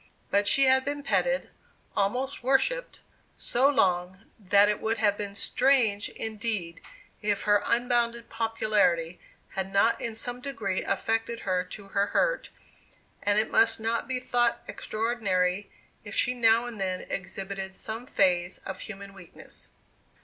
But she had been petted, almost worshipped, so long, that it would have been strange indeed if her unbounded popularity had not in some degree affected her to her hurt, and it must not be thought extraordinary if she now and then exhibited some phase of human weakness.